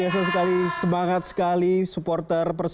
dan sampai sekarang masih belum dibahas